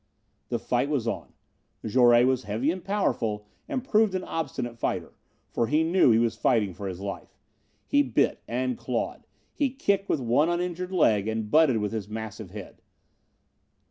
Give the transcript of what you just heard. The fight was on. Jouret was heavy and powerful and proved an obstinate fighter, for he knew he was fighting for his life. He bit and clawed. He kicked with one uninjured leg and butted with his massive head.